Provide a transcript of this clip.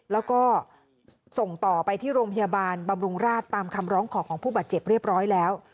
แล้วก็ส่งต่อไปที่โรงพยาบาลบำรุงราชตามคำร้องขอของผู้บาดเจ็บเรียบร้อยแล้ว